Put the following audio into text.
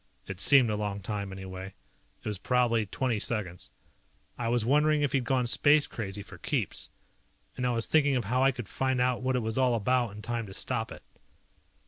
It seemed a long time, anyway. It was probably twenty seconds. I was wondering if he had gone space crazy for keeps. And I was thinking of how I could find out what it was all about in time to stop it.